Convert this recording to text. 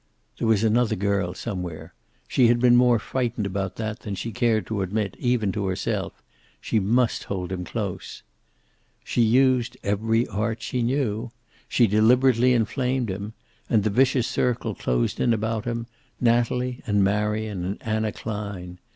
There was another girl, somewhere. She had been more frightened about that than she cared to admit, even to herself. She must hold him close. She used every art she knew. She deliberately inflamed him. And the vicious circle closed in about him, Natalie and Marion and Anna Klein.